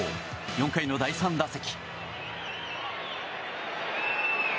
４回の第３打席。